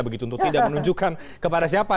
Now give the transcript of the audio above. begitu untuk tidak menunjukkan kepada siapa